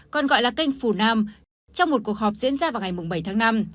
còn gọi là kênh phù nam trong một cuộc họp diễn ra vào ngày bảy tháng năm